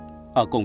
ở cùng dòng đường